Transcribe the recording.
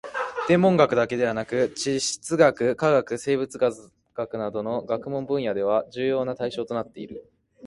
天文学だけでなく地質学・化学・生物学などの学問分野では重要な対象となっている